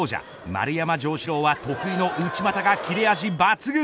丸山城志郎は得意の内股が切れ味抜群。